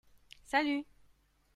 Salut.